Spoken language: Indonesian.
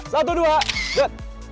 satu dua go